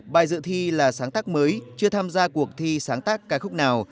bài dự thi là sáng tác mới chưa tham gia cuộc thi sáng tác ca khúc nào